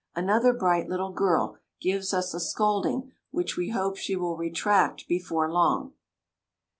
another bright little girl, gives us a scolding, which we hope she will retract before long.